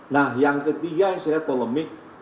nah yang ketiga yang saya lihat polemik